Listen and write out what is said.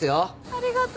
ありがとう。